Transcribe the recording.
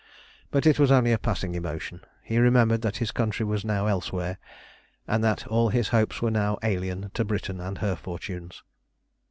But it was only a passing emotion. He remembered that his country was now elsewhere, and that all his hopes were now alien to Britain and her fortunes.